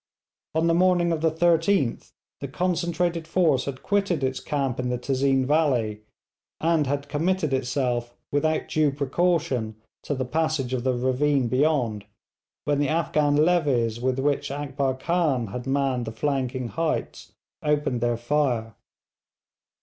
On the morning of the 13th the concentrated force had quitted its camp in the Tezeen valley, and had committed itself without due precaution to the passage of the ravine beyond, when the Afghan levies with which Akbar Khan had manned the flanking heights, opened their fire.